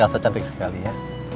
elsa cantik sekali ya